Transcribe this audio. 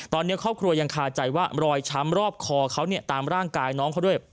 ตอนนี้ครอบครัวยังคาใจว่ารอยช้ำรอบคอเขาเนี่ยตามร่างกายน้องเขาด้วย